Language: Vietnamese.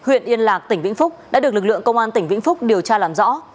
huyện yên lạc tỉnh vĩnh phúc đã được lực lượng công an tỉnh vĩnh phúc điều tra làm rõ